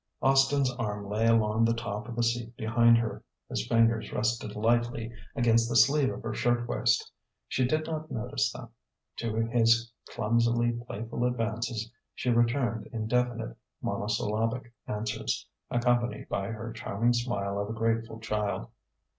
Austin's arm lay along the top of the seat behind her; his fingers rested lightly against the sleeve of her shirtwaist. She did not notice them. To his clumsily playful advances she returned indefinite, monosyllabic answers, accompanied by her charming smile of a grateful child....